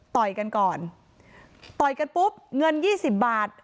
ต่อยกันก่อนต่อยกันปุ๊บเงินยี่สิบบาท